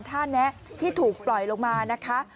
แนะที่ถูกปล่อยลงมานะคะ